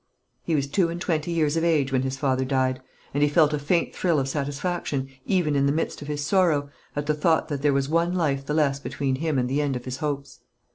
He was two and twenty years of age when his father died; and he felt a faint thrill of satisfaction, even in the midst of his sorrow, at the thought that there was one life the less between him and the end of his hopes.